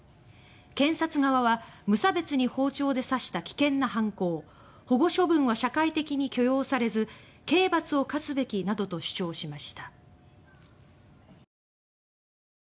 検察側は「無差別に包丁で刺した危険な犯行」「保護処分は社会的に許容されず刑罰を科すべき」などと主張しました。